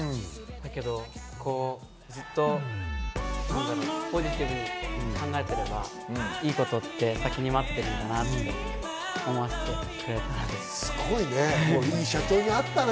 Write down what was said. だけどずっとポジティブに考えていればいいことって先に待ってるんだなって、思わせてくれたんで。